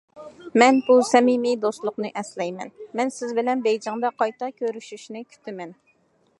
مەن بۇ سەمىمىي دوستلۇقنى ئەسلەيمەن، مەن سىز بىلەن بېيجىڭدا قايتا كۆرۈشۈشنى كۈتىمەن.